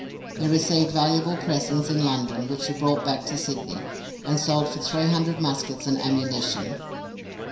He received valuable presents in London, which he brought back to Sydney, and sold for three hundred muskets and ammunition.